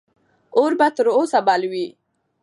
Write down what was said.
اور به تر اوسه بل وي.